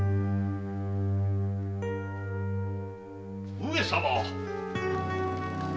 上様！